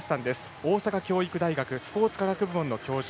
大阪教育大学スポーツ科学部門の教授。